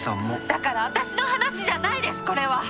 だから私の話じゃないですこれは。